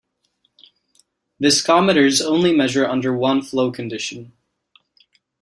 Viscometers only measure under one flow condition.